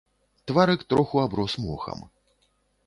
Тварык троху аброс мохам.